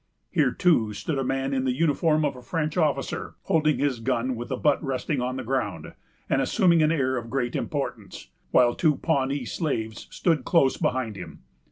Here, too, stood a man, in the uniform of a French officer, holding his gun with the butt resting on the ground, and assuming an air of great importance; while two Pawnee slaves stood close behind him.